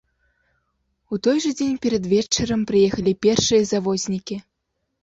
У той жа дзень перад вечарам прыехалі першыя завознікі.